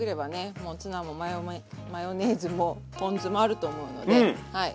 もうツナもマヨメマヨネーズもポン酢もあると思うのではい